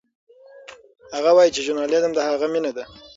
هغه وایي چې ژورنالیزم د هغه مینه ده.